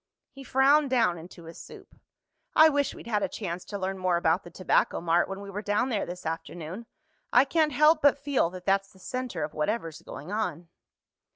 He frowned down into his soup. "I wish we'd had a chance to learn more about the Tobacco Mart when we were down there this afternoon. I can't help but feel that that's the center of whatever's going on."